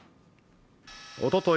おととい